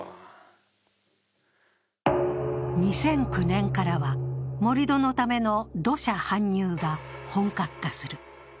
２００９年からは盛り土のための土砂搬入が本格化する。